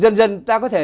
dần dần ta có thể